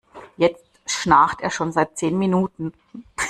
Jetzt schnarcht er schon seit zehn Minuten.